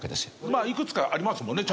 まあいくつかありますもんね